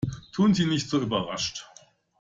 Tun Sie nicht so überrascht!